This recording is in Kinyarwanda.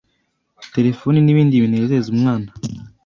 telefoni n’ibindi binezeza umwana